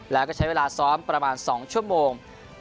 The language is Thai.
แล้วก็ใช้เวลาซ้อมประมาณ๒ชั่วโมง